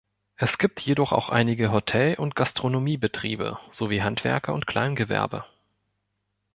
Es gibt jedoch auch einige Hotel- und Gastronomiebetriebe sowie Handwerker und Kleingewerbe.